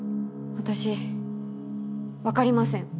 私分かりません。